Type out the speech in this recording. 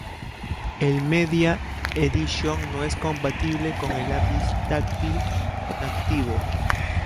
El Media Edition no es compatible con el lápiz táctil activo.